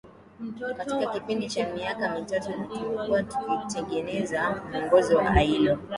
katika kipindi cha miaka mitatu na tumekuwa tukitengeneza mwongozo wa ailo